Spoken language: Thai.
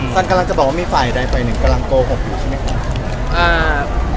กำลังจะบอกว่ามีฝ่ายใดฝ่ายหนึ่งกำลังโกหกอยู่ใช่ไหมครับ